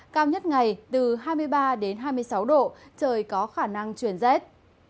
cao nhất ngày từ hai mươi ba đến hai mươi sáu độ trời có khả năng chuyển rét